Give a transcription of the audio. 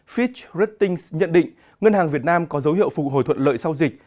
fitch ratings nhận định ngân hàng việt nam có dấu hiệu phục hồi thuận lợi sau dịch